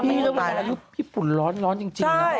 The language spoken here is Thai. พี่ปุ่นร้อนร้อนจริงนะ